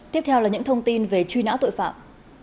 tiếp theo là những thông tin về truy nã tội phạm